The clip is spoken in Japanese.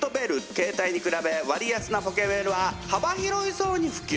携帯に比べ割安なポケベルは幅広い層に普及。